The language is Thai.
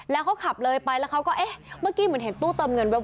แล้วเขาขับเลยไปแล้วเขาก็เอ๊ะเมื่อกี้เหมือนเห็นตู้เติมเงินแว๊บ